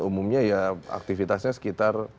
umumnya ya aktivitasnya sekitar pulau sulawesi